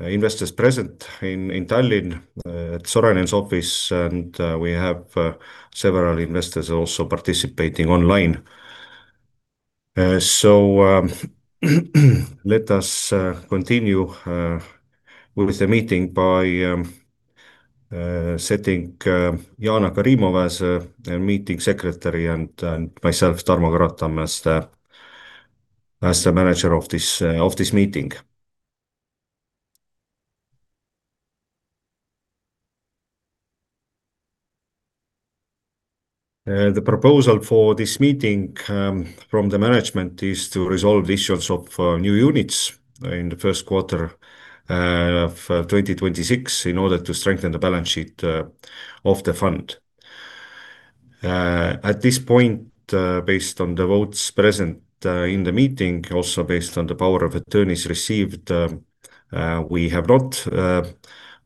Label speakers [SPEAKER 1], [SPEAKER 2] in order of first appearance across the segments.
[SPEAKER 1] Investors present in Tallinn at Sorainen's office, and we have several investors also participating online. So let us continue with the meeting by setting Jana Karimova as a meeting secretary and myself, Tarmo Karotam, as the manager of this meeting. The proposal for this meeting from the management is to resolve issues of new units in the first quarter of 2026 in order to strengthen the balance sheet of the fund. At this point, based on the votes present in the meeting, also based on the power of attorneys received, we have not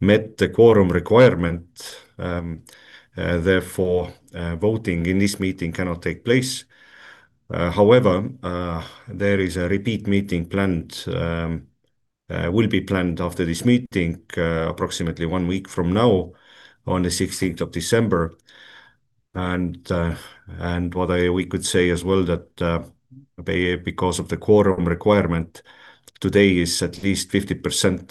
[SPEAKER 1] met the quorum requirement. Therefore, voting in this meeting cannot take place. However, there is a repeat meeting planned. It will be planned after this meeting, approximately one week from now, on the 16th of December. What we could say as well is that because of the quorum requirement, today is at least 50%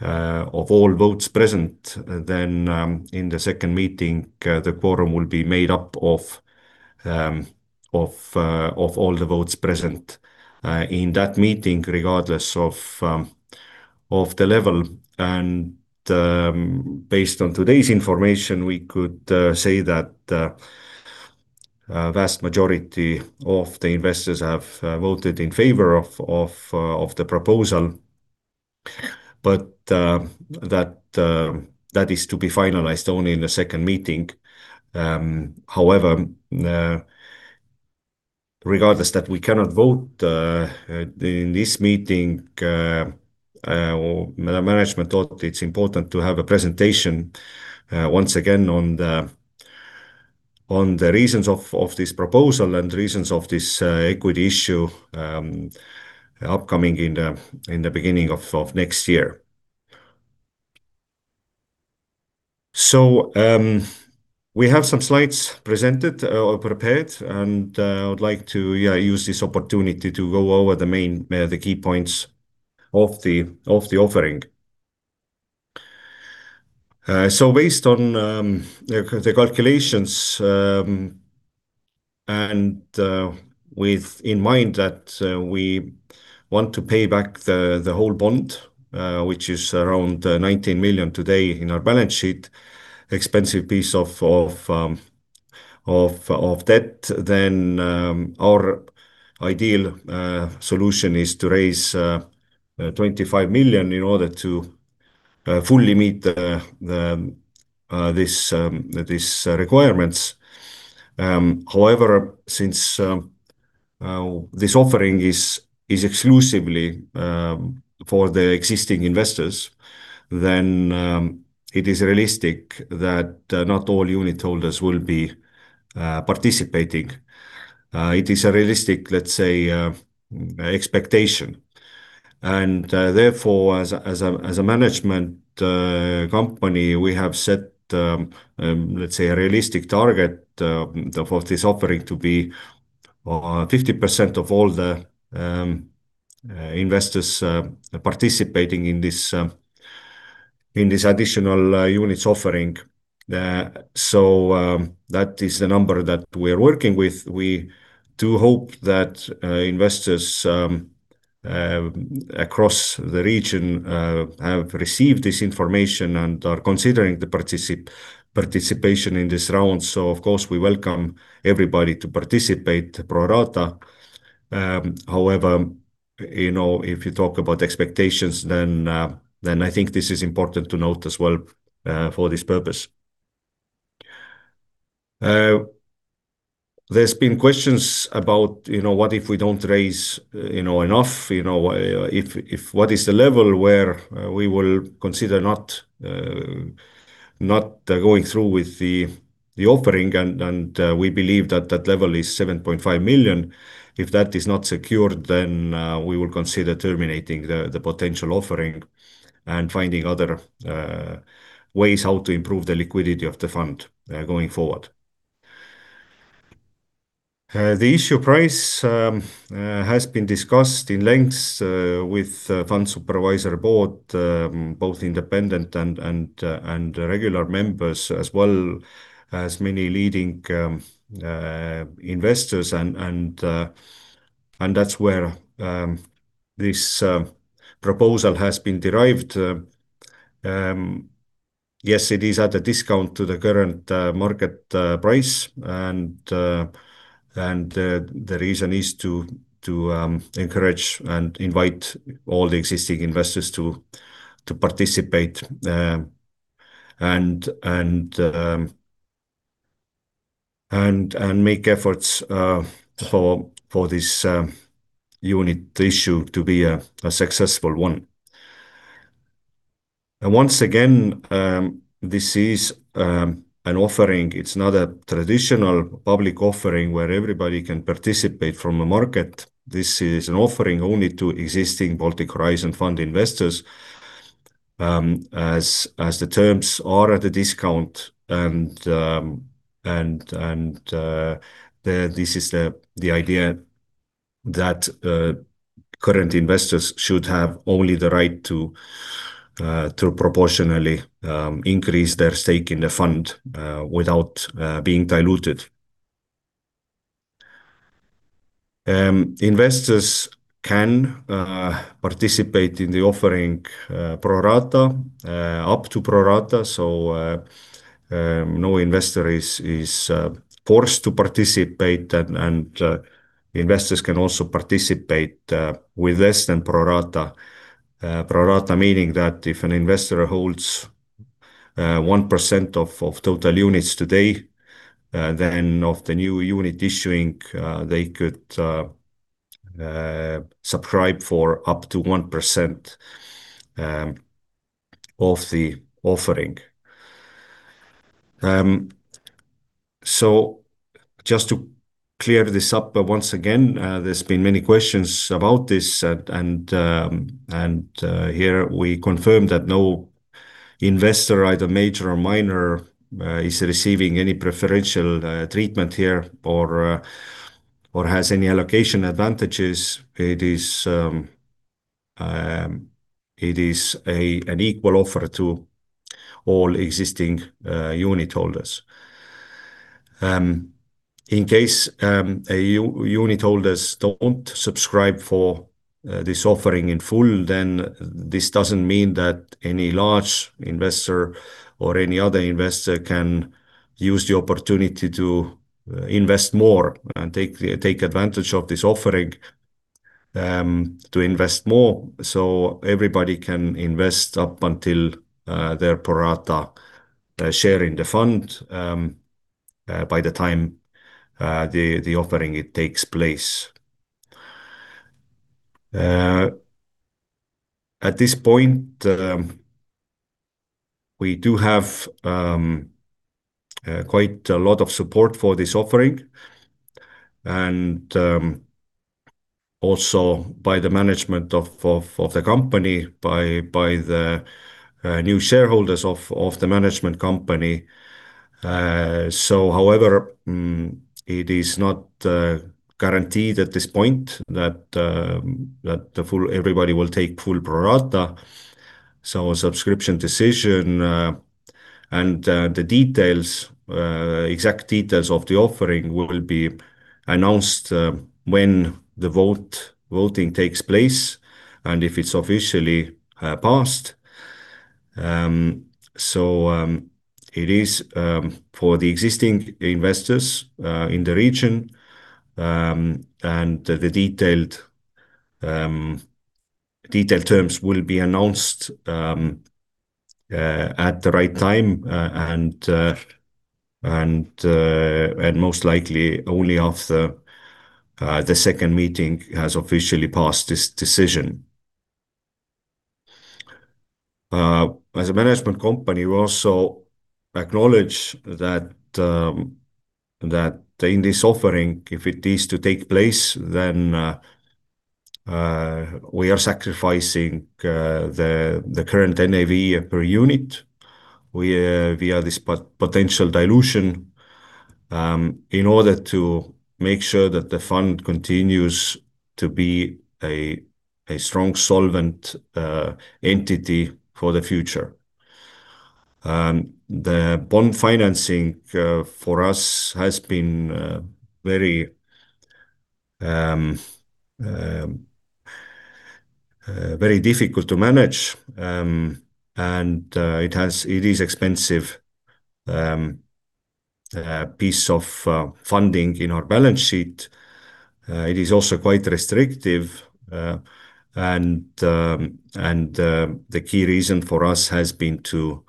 [SPEAKER 1] of all votes present, then in the second meeting, the quorum will be made up of all the votes present in that meeting, regardless of the level. Based on today's information, we could say that the vast majority of the investors have voted in favor of the proposal, but that is to be finalized only in the second meeting. However, regardless that we cannot vote in this meeting, the management thought it's important to have a presentation once again on the reasons of this proposal and reasons of this equity issue upcoming in the beginning of next year. We have some slides presented or prepared, and I would like to use this opportunity to go over the key points of the offering. So, based on the calculations and with that in mind that we want to pay back the whole bond, which is around 19 million today in our balance sheet, expensive piece of debt, then our ideal solution is to raise 25 million in order to fully meet this requirement. However, since this offering is exclusively for the existing investors, then it is realistic that not all unit holders will be participating. It is a realistic, let's say, expectation. And therefore, as a management company, we have set, let's say, a realistic target for this offering to be 50% of all the investors participating in this additional units offering. That is the number that we are working with. We do hope that investors across the region have received this information and are considering the participation in this round. Of course, we welcome everybody to participate, pro rata. However, if you talk about expectations, then I think this is important to note as well for this purpose. There's been questions about what if we don't raise enough, what is the level where we will consider not going through with the offering, and we believe that that level is 7.5 million. If that is not secured, then we will consider terminating the potential offering and finding other ways how to improve the liquidity of the fund going forward. The issue price has been discussed at length with the fund supervisory board, both independent and regular members, as well as many leading investors, and that's where this proposal has been derived. Yes, it is at a discount to the current market price, and the reason is to encourage and invite all the existing investors to participate and make efforts for this unit issue to be a successful one. Once again, this is an offering. It's not a traditional public offering where everybody can participate from the market. This is an offering only to existing Baltic Horizon Fund investors, as the terms are at a discount, and this is the idea that current investors should have only the right to proportionally increase their stake in the fund without being diluted. Investors can participate in the offering pro rata, up to pro rata. So no investor is forced to participate, and investors can also participate with less than pro rata, pro rata meaning that if an investor holds 1% of total units today, then of the new unit issue, they could subscribe for up to 1% of the offering. So just to clear this up once again, there's been many questions about this, and here we confirm that no investor, either major or minor, is receiving any preferential treatment here or has any allocation advantages. It is an equal offer to all existing unit holders. In case unit holders don't subscribe for this offering in full, then this doesn't mean that any large investor or any other investor can use the opportunity to invest more and take advantage of this offering to invest more. So everybody can invest up until their pro rata share in the fund by the time the offering takes place. At this point, we do have quite a lot of support for this offering, and also by the management of the company, by the new shareholders of the management company. However, it is not guaranteed at this point that everybody will take full pro rata. A subscription decision and the exact details of the offering will be announced when the voting takes place and if it's officially passed. It is for the existing investors in the region, and the detailed terms will be announced at the right time and most likely only after the second meeting has officially passed this decision. As a management company, we also acknowledge that in this offering, if it is to take place, then we are sacrificing the current NAV per unit via this potential dilution in order to make sure that the fund continues to be a strong solvent entity for the future. The bond financing for us has been very difficult to manage, and it is an expensive piece of funding in our balance sheet. It is also quite restrictive, and the key reason for us has been to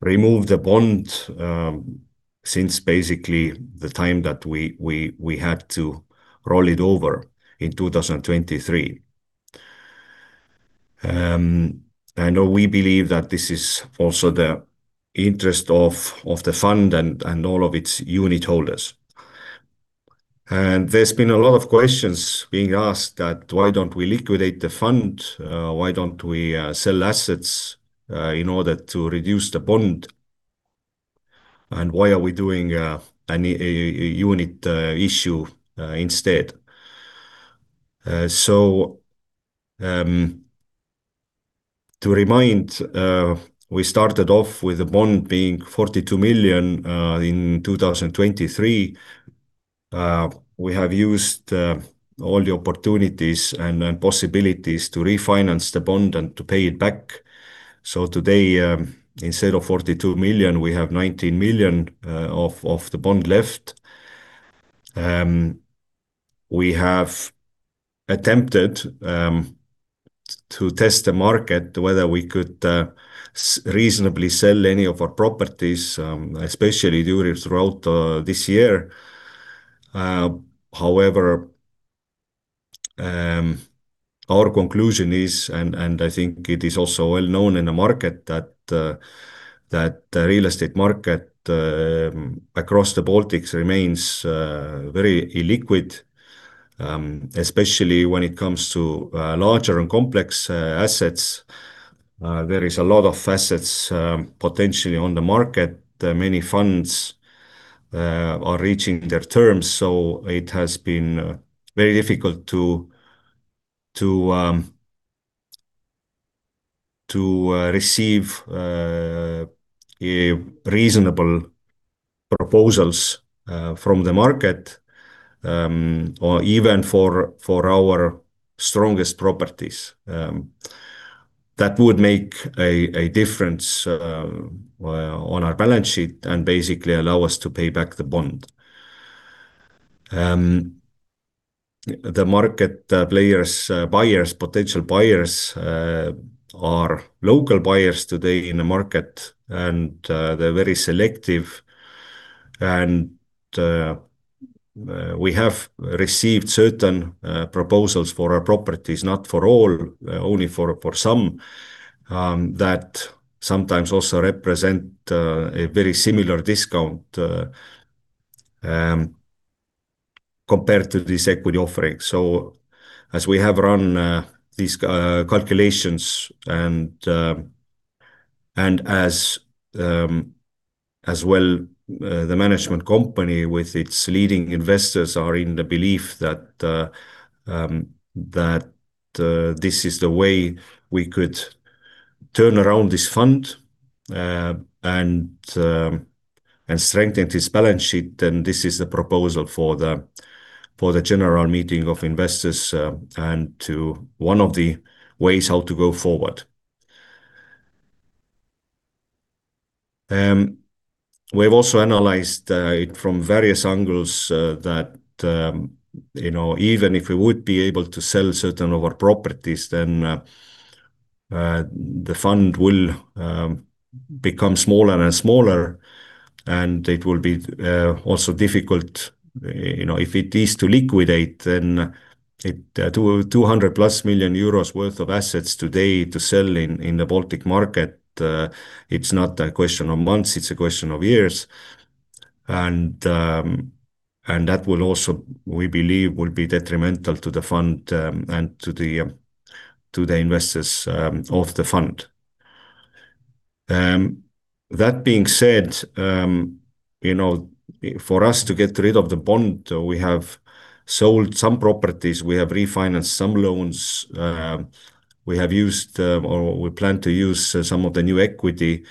[SPEAKER 1] remove the bond since basically the time that we had to roll it over in 2023. I know we believe that this is also the interest of the fund and all of its unit holders. And there's been a lot of questions being asked that, why don't we liquidate the fund? Why don't we sell assets in order to reduce the bond? And why are we doing a unit issue instead? So to remind, we started off with the bond being 42 million in 2023. We have used all the opportunities and possibilities to refinance the bond and to pay it back. So today, instead of 42 million, we have 19 million of the bond left. We have attempted to test the market, whether we could reasonably sell any of our properties, especially throughout this year. However, our conclusion is, and I think it is also well known in the market, that the real estate market across the Baltics remains very illiquid, especially when it comes to larger and complex assets. There is a lot of assets potentially on the market. Many funds are reaching their terms, so it has been very difficult to receive reasonable proposals from the market, even for our strongest properties. That would make a difference on our balance sheet and basically allow us to pay back the bond. The market buyers, potential buyers, are local buyers today in the market, and they're very selective, and we have received certain proposals for our properties, not for all, only for some, that sometimes also represent a very similar discount compared to this equity offering. So, as we have run these calculations and as well, the management company with its leading investors are in the belief that this is the way we could turn around this fund and strengthen this balance sheet, then this is the proposal for the general meeting of investors and to one of the ways how to go forward. We have also analyzed it from various angles that even if we would be able to sell certain of our properties, then the fund will become smaller and smaller, and it will be also difficult. If it is to liquidate, then 200+ million euros worth of assets today to sell in the Baltic market, it's not a question of months, it's a question of years. And that will also, we believe, will be detrimental to the fund and to the investors of the fund. That being said, for us to get rid of the bond, we have sold some properties, we have refinanced some loans, we have used or we plan to use some of the new equity,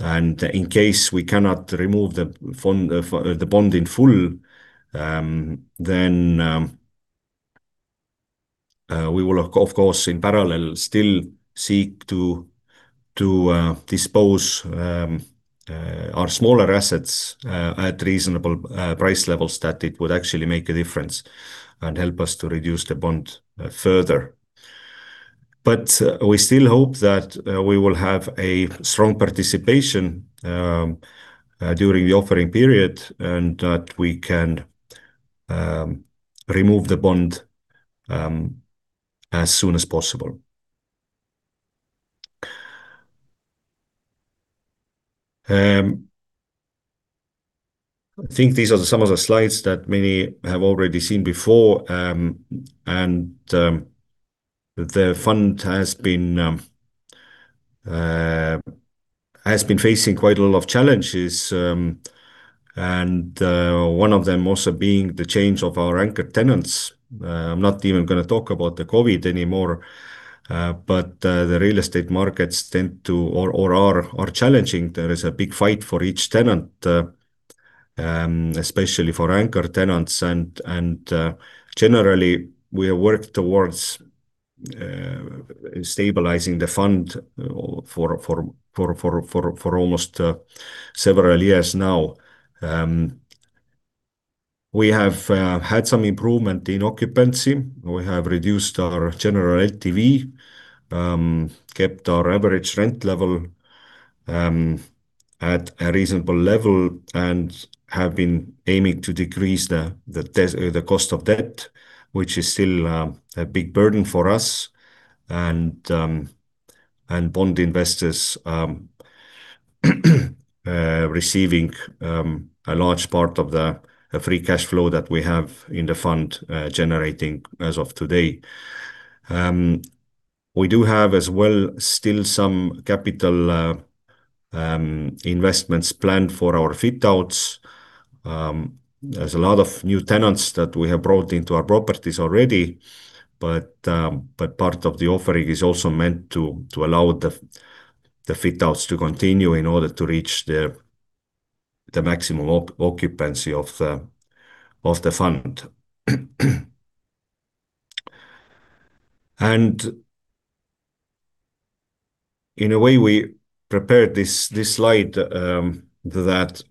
[SPEAKER 1] and in case we cannot remove the bond in full, then we will, of course, in parallel, still seek to dispose of our smaller assets at reasonable price levels that it would actually make a difference and help us to reduce the bond further, but we still hope that we will have a strong participation during the offering period and that we can remove the bond as soon as possible. I think these are some of the slides that many have already seen before, and the fund has been facing quite a lot of challenges, and one of them also being the change of our anchor tenants. I'm not even going to talk about the COVID anymore, but the real estate markets tend to or are challenging. There is a big fight for each tenant, especially for anchor tenants. And generally, we have worked towards stabilizing the fund for almost several years now. We have had some improvement in occupancy. We have reduced our general LTV, kept our average rent level at a reasonable level, and have been aiming to decrease the cost of debt, which is still a big burden for us, and bond investors receiving a large part of the free cash flow that we have in the fund generating as of today. We do have as well still some capital investments planned for our fit-outs. There's a lot of new tenants that we have brought into our properties already, but part of the offering is also meant to allow the fit-outs to continue in order to reach the maximum occupancy of the fund. And in a way, we prepared this slide that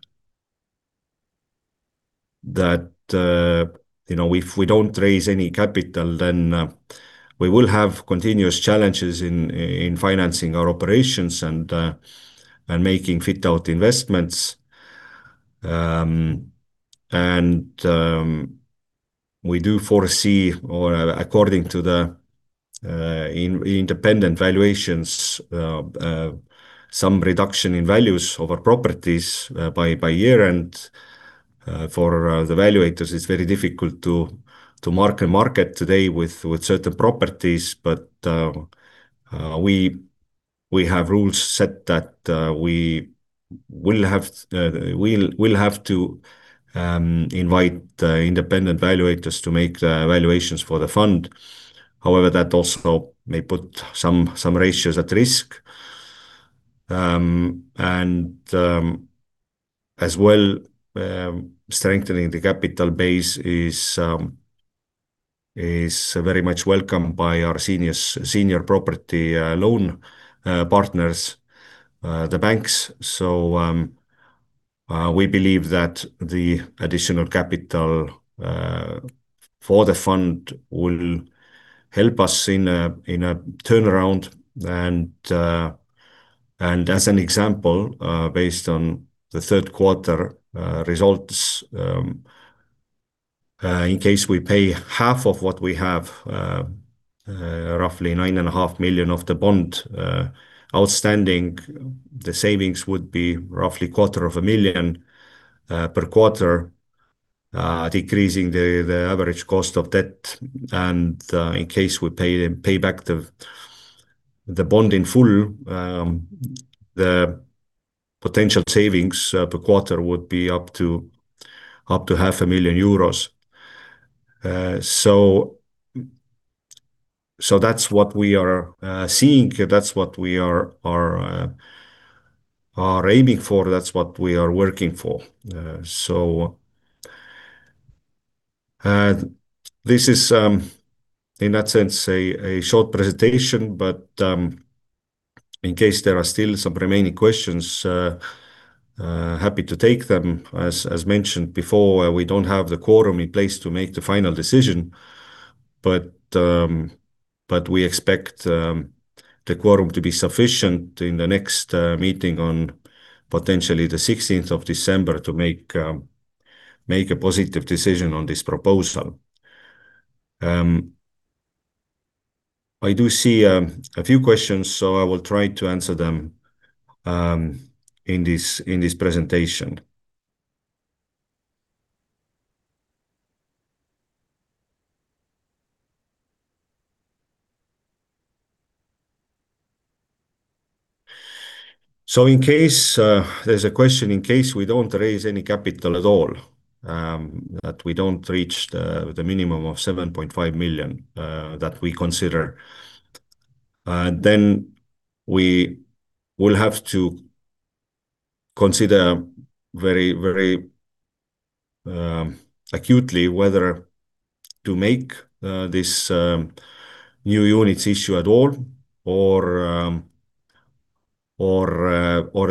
[SPEAKER 1] if we don't raise any capital, then we will have continuous challenges in financing our operations and making fit-out investments. And we do foresee, according to the independent valuations, some reduction in values of our properties by year. And for the valuators, it's very difficult to mark-to-market today with certain properties, but we have rules set that we will have to invite independent valuators to make valuations for the fund. However, that also may put some ratios at risk. And as well, strengthening the capital base is very much welcome by our senior property loan partners, the banks. So we believe that the additional capital for the fund will help us in a turnaround. And as an example, based on the third quarter results, in case we pay half of what we have, roughly 9.5 million of the bond outstanding, the savings would be roughly 250,000 per quarter, decreasing the average cost of debt. And in case we pay back the bond in full, the potential savings per quarter would be up to 500,000 euros. So that's what we are seeing. That's what we are aiming for. That's what we are working for. So this is, in that sense, a short presentation, but in case there are still some remaining questions, happy to take them. As mentioned before, we don't have the quorum in place to make the final decision, but we expect the quorum to be sufficient in the next meeting on potentially the 16th of December to make a positive decision on this proposal. I do see a few questions, so I will try to answer them in this presentation. In case there's a question, in case we don't raise any capital at all, that we don't reach the minimum of 7.5 million that we consider, then we will have to consider very acutely whether to make this new units issue at all or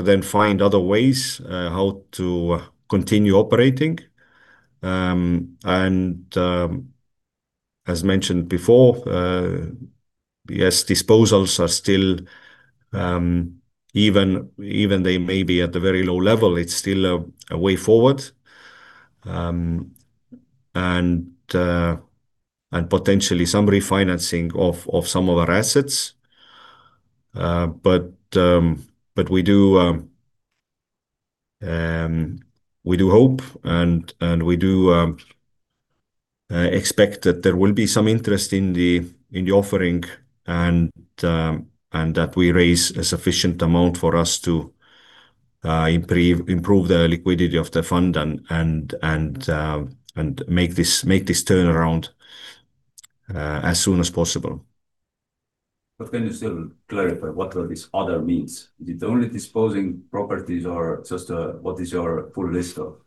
[SPEAKER 1] then find other ways how to continue operating. As mentioned before, yes, disposals are still, even they may be at a very low level, it's still a way forward and potentially some refinancing of some of our assets. But we do hope, and we do expect that there will be some interest in the offering and that we raise a sufficient amount for us to improve the liquidity of the fund and make this turnaround as soon as possible.
[SPEAKER 2] But can you still clarify what this other means? Is it only disposing properties or just what is your full list of?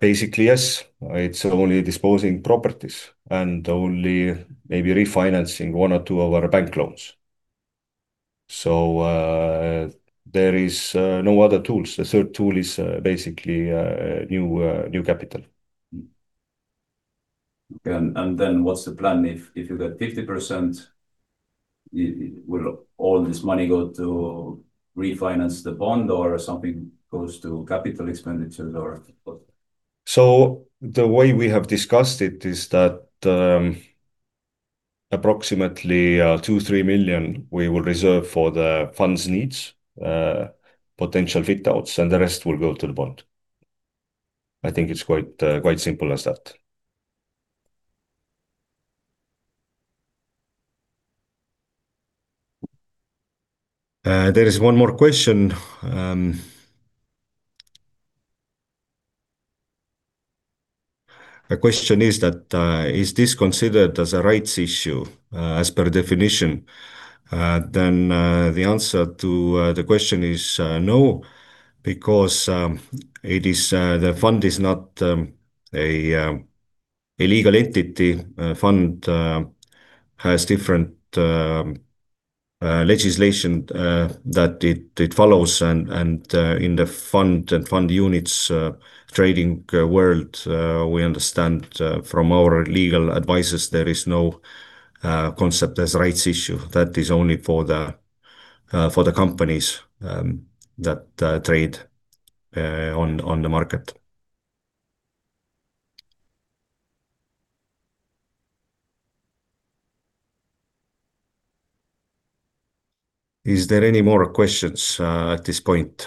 [SPEAKER 1] Basically, yes. It's only disposing properties and only maybe refinancing one or two of our bank loans. So there is no other tools. The third tool is basically new capital.
[SPEAKER 2] And then what's the plan? If you got 50%, will all this money go to refinance the bond or something goes to capital expenditures or?
[SPEAKER 1] So the way we have discussed it is that approximately 2 million-3 million we will reserve for the fund's needs, potential fit-outs, and the rest will go to the bond. I think it's quite simple as that.
[SPEAKER 2] There is one more question. The question is that is this considered as a rights issue as per definition?
[SPEAKER 1] Then the answer to the question is no, because the fund is not a legal entity. Fund has different legislation that it follows. And in the fund and fund units trading world, we understand from our legal advices, there is no concept as rights issue. That is only for the companies that trade on the market. Is there any more questions at this point?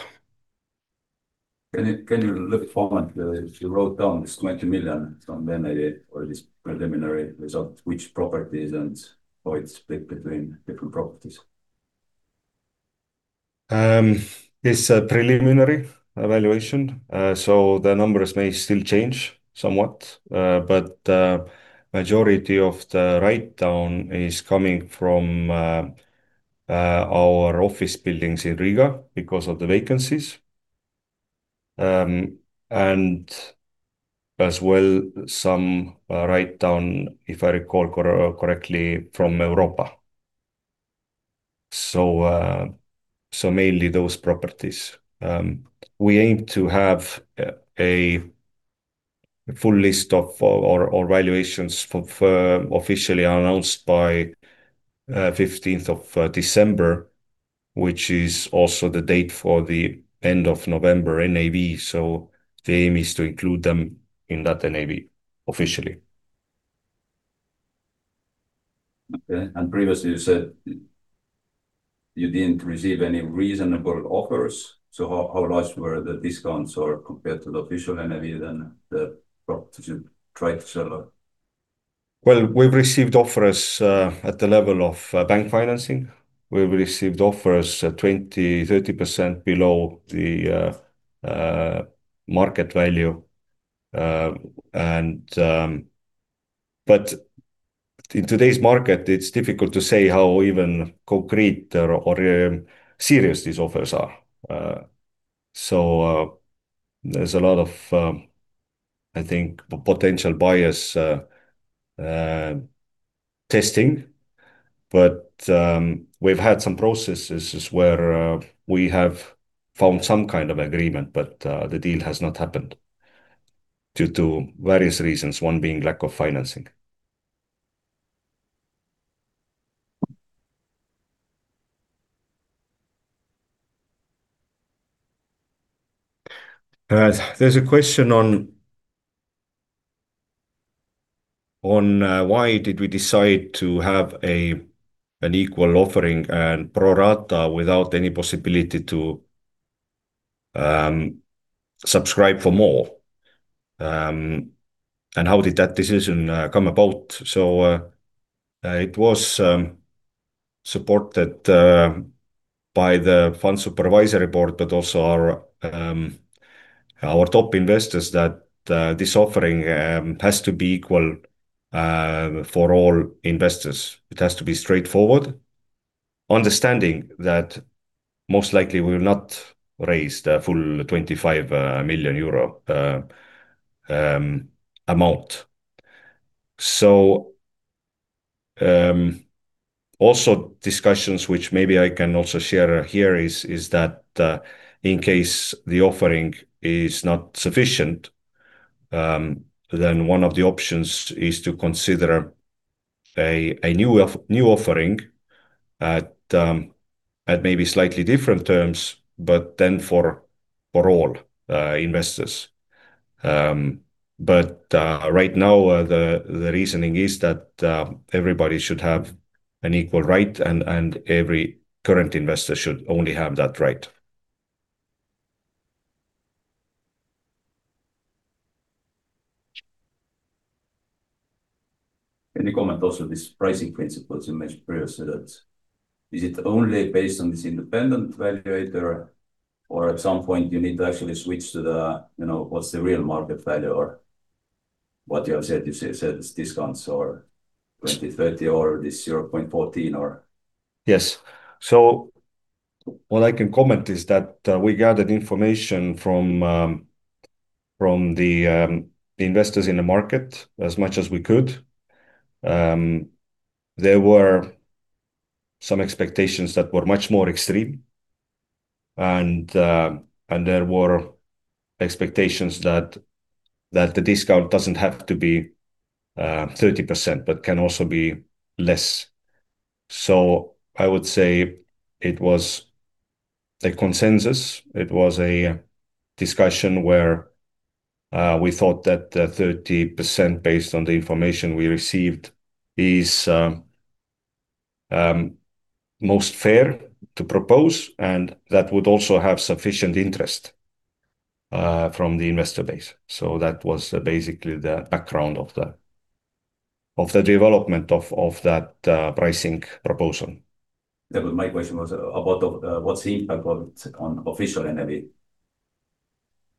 [SPEAKER 1] Can you look forward? You wrote down this 20 million, and then I did already preliminary result, which properties and how it's split between different properties. It's a preliminary evaluation. So the numbers may still change somewhat, but majority of the write-down is coming from our office buildings in Riga because of the vacancies, and as well some write-down, if I recall correctly, from Europa. So mainly those properties. We aim to have a full list of our valuations officially announced by 15th of December, which is also the date for the end of November NAV. So the aim is to include them in that NAV officially.
[SPEAKER 2] Okay. And previously, you said you didn't receive any reasonable offers. So how large were the discounts compared to the official NAV for the properties you tried to sell?
[SPEAKER 1] Well, we've received offers at the level of bank financing. We've received offers 20%-30% below the market value. But in today's market, it's difficult to say how even concrete or serious these offers are. So there's a lot of, I think, potential bias testing. But we've had some processes where we have found some kind of agreement, but the deal has not happened due to various reasons, one being lack of financing.
[SPEAKER 2] There's a question on why did we decide to have an equal offering and pro rata without any possibility to subscribe for more? And how did that decision come about?
[SPEAKER 1] So it was supported by the fund supervisory board, but also our top investors, that this offering has to be equal for all investors. It has to be straightforward, understanding that most likely we will not raise the full EUR 25 million amount. So, also discussions, which maybe I can also share here, is that in case the offering is not sufficient, then one of the options is to consider a new offering at maybe slightly different terms, but then for all investors. But right now, the reasoning is that everybody should have an equal right, and every current investor should only have that right.
[SPEAKER 2] Can you comment also on this pricing principle? You mentioned previously that is it only based on this independent valuator, or at some point, you need to actually switch to the what's the real market value or what you have said? You said it's discounts or 20, 30, or this 0.14 or?
[SPEAKER 1] Yes. So what I can comment is that we gathered information from the investors in the market as much as we could. There were some expectations that were much more extreme, and there were expectations that the discount doesn't have to be 30%, but can also be less. So I would say it was a consensus. It was a discussion where we thought that 30% based on the information we received is most fair to propose, and that would also have sufficient interest from the investor base. So that was basically the background of the development of that pricing proposal.
[SPEAKER 2] My question was about what's the impact on official NAV?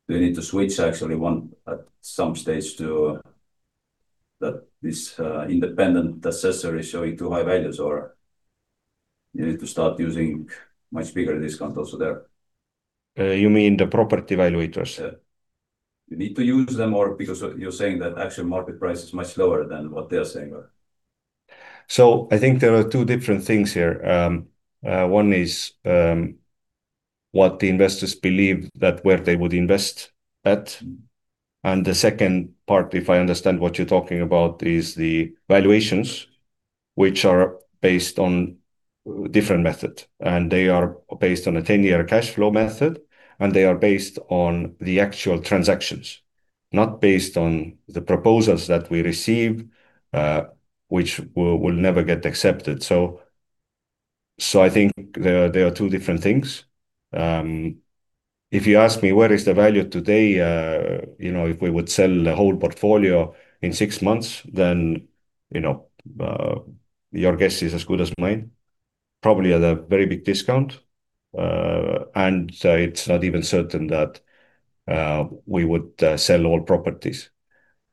[SPEAKER 2] Do you need to switch actually at some stage to that this independent assessor is showing too high values, or you need to start using much bigger discount also there? You mean the property valuators?
[SPEAKER 1] Yeah. You need to use them or because you're saying that actual market price is much lower than what they are saying? So I think there are two different things here. One is what the investors believe that where they would invest at. And the second part, if I understand what you're talking about, is the valuations, which are based on different methods. And they are based on a 10-year cash flow method, and they are based on the actual transactions, not based on the proposals that we receive, which will never get accepted. So I think there are two different things. If you ask me where is the value today, if we would sell the whole portfolio in six months, then your guess is as good as mine, probably at a very big discount. And it's not even certain that we would sell all properties.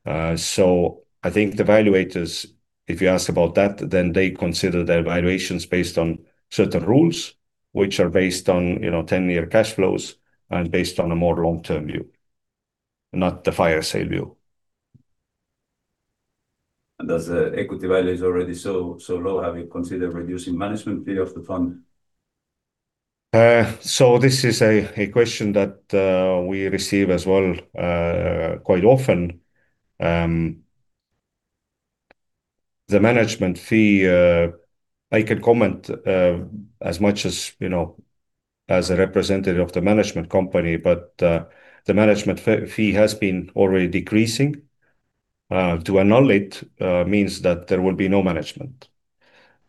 [SPEAKER 1] So I think the valuators, if you ask about that, then they consider their valuations based on certain rules, which are based on 10-year cash flows and based on a more long-term view, not the fire sale view.
[SPEAKER 2] And does the equity value is already so low? Have you considered reducing management fee of the fund?
[SPEAKER 1] So this is a question that we receive as well quite often. The management fee, I can comment as much as a representative of the management company, but the management fee has been already decreasing. To annul it means that there will be no management.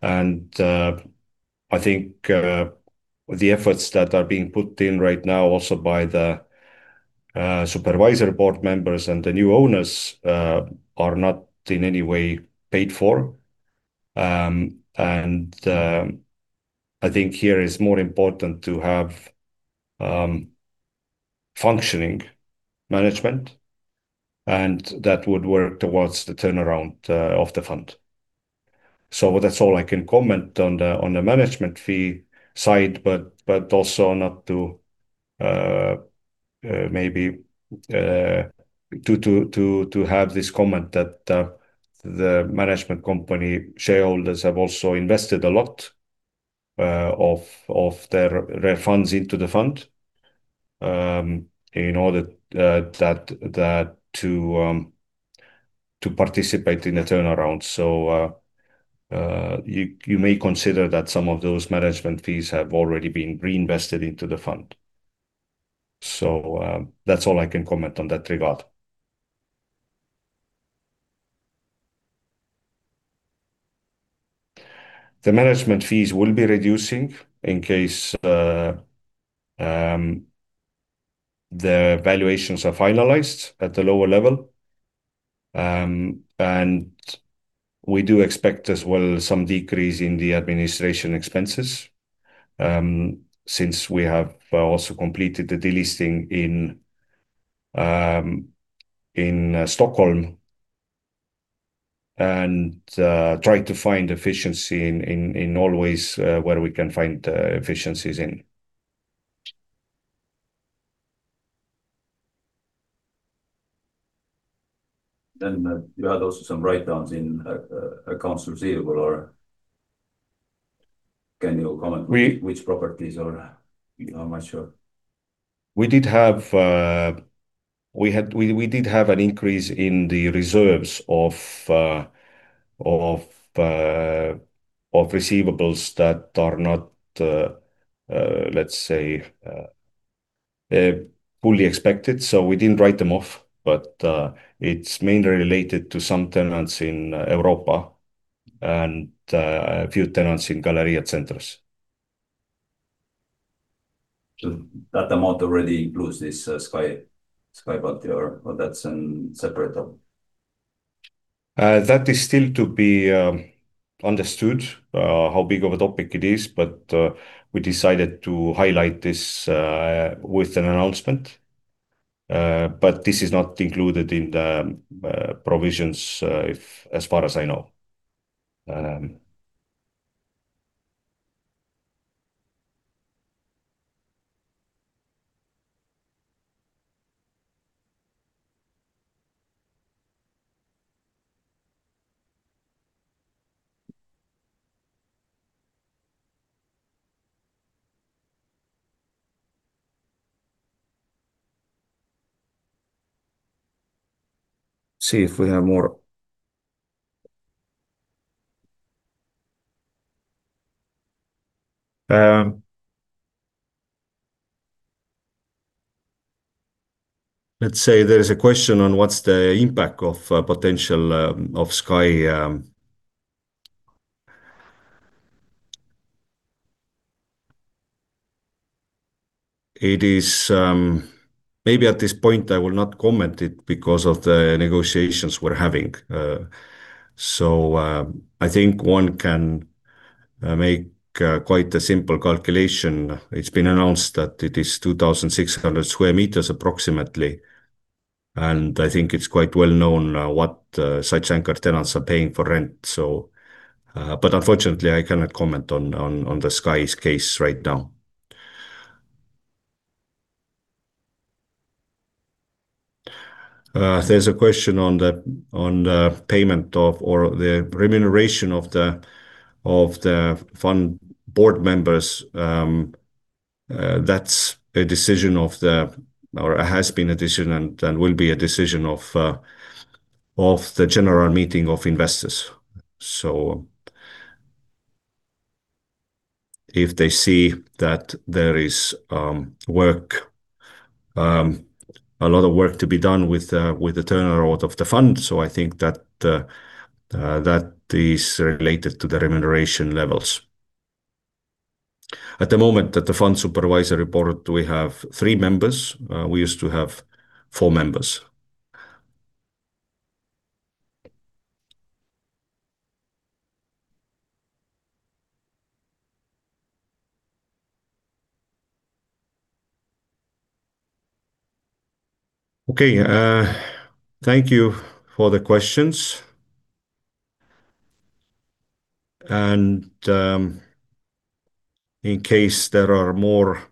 [SPEAKER 1] And I think the efforts that are being put in right now also by the supervisory board members and the new owners are not in any way paid for. I think here is more important to have functioning management, and that would work towards the turnaround of the fund. That's all I can comment on the management fee side, but also not to maybe have this comment that the management company shareholders have also invested a lot of their funds into the fund in order to participate in the turnaround. You may consider that some of those management fees have already been reinvested into the fund. That's all I can comment on that regard. The management fees will be reducing in case the valuations are finalized at the lower level. We do expect as well some decrease in the administration expenses since we have also completed the delisting in Stockholm and tried to find efficiency in all ways where we can find efficiencies in.
[SPEAKER 2] Then you had also some write-downs in accounts receivable, or can you comment which properties or I'm not sure?
[SPEAKER 1] We did have an increase in the reserves of receivables that are not, let's say, fully expected, so we didn't write them off, but it's mainly related to some tenants in Europa and a few tenants in Galerija Centrs, so that amount already includes this Sky, but that's a separate topic? That is still to be understood how big of a topic it is, but we decided to highlight this with an announcement, but this is not included in the provisions as far as I know. See if we have more. Let's say there is a question on what's the impact of potential of Sky. It is maybe at this point. I will not comment it because of the negotiations we're having. I think one can make quite a simple calculation. It's been announced that it is 2,600 sq m approximately. And I think it's quite well known what such anchor tenants are paying for rent. But unfortunately, I cannot comment on the Sky's case right now. There's a question on the payment or the remuneration of the fund board members. That's a decision of the or has been a decision and will be a decision of the general meeting of investors. So if they see that there is a lot of work to be done with the turnaround of the fund, so I think that is related to the remuneration levels. At the moment that the fund supervisor report, we have three members. We used to have four members. Okay. Thank you for the questions. And in case there are more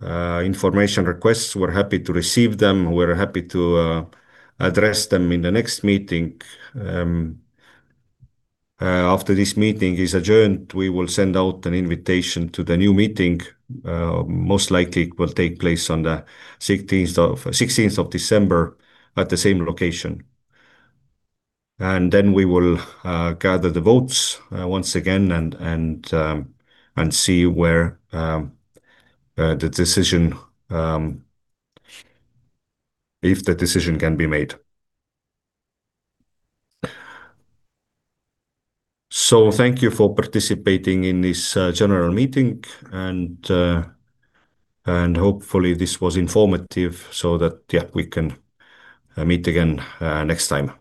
[SPEAKER 1] information requests, we're happy to receive them. We're happy to address them in the next meeting. After this meeting is adjourned, we will send out an invitation to the new meeting. Most likely, it will take place on the 16th of December at the same location, and then we will gather the votes once again and see where the decision, if the decision can be made, so thank you for participating in this general meeting, and hopefully, this was informative so that, yeah, we can meet again next time.